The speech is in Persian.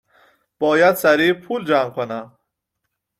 .باید سریع پول جمع کنم